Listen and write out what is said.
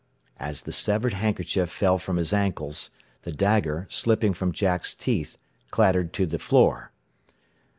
As the severed handkerchief fell from his ankles, the dagger, slipping from Jack's teeth, clattered to the floor.